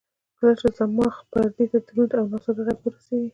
کله چې صماخ پردې ته دروند او ناڅاپي غږ ورسېږي.